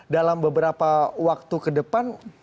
dalam beberapa waktu kedepan